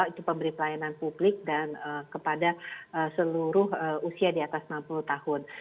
itu pemberi pelayanan publik dan kepada seluruh usia di atas enam puluh tahun